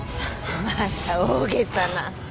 また大げさな。